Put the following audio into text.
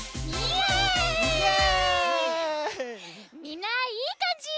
みんないいかんじ！